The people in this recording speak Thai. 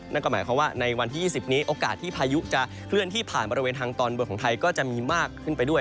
นั่นก็หมายความว่าในวันที่๒๐นี้โอกาสที่พายุจะเคลื่อนที่ผ่านบริเวณทางตอนบนของไทยก็จะมีมากขึ้นไปด้วย